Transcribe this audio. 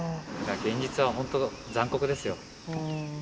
現実は本当、残酷ですよ。